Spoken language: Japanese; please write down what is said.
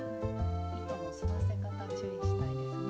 糸の沿わせ方注意したいですね。